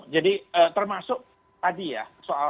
jadi termasuk tadi ya soal